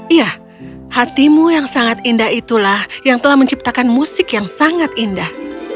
iya hatimu yang sangat indah itulah yang telah menciptakan musik yang sangat indah